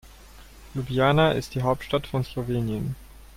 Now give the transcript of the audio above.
Ljubljana ist die Hauptstadt von Slowenien.